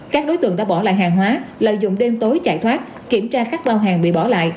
các đối tượng đã bỏ lại hàng hóa lợi dụng đêm tối chạy thoát kiểm tra các bao hàng bị bỏ lại